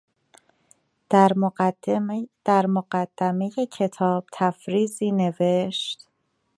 در مقدمهٔ کتاب تقریظی نوشت.